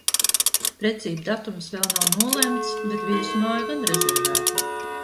Precību datums vēl nav nolemts, bet viesu māja gan reervēta!